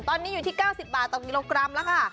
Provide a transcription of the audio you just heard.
ตอนนี้อยู่ที่๙๐บาทต่อกิโลกรัมแล้วค่ะ